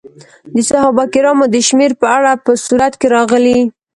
د صحابه کرامو د شمېر په اړه په سورت کې راغلي.